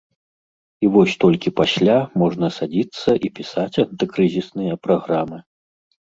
І вось толькі пасля можна садзіцца і пісаць антыкрызісныя праграмы.